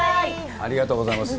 ありがとうございます。